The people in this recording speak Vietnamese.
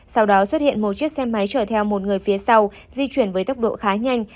sau đó xuất hiện một chiếc xe máy chở theo một người phía sau di chuyển với tốc độ khá nhanh